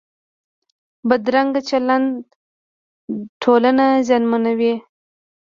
بدرنګه چلند ټولنه زیانمنوي